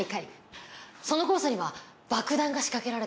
そのコースには爆弾が仕掛けられてるんです。